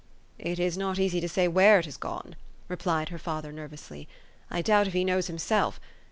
" It is not easy to say where it has gone," replied her father nervously. "I doubt if he knows him self.